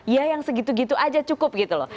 ya yang segitu gitu aja cukup gitu loh